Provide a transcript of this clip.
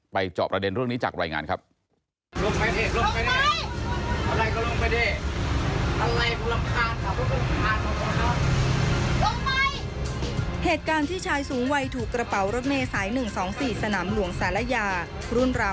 จอบประเด็นเรื่องนี้จากรายงานครับ